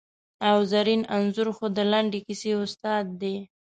او زرین انځور خو د لنډې کیسې استاد دی!